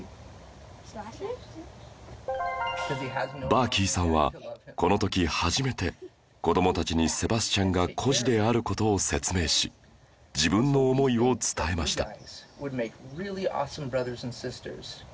バーキーさんはこの時初めて子どもたちにセバスチャンが孤児である事を説明し自分の思いを伝えました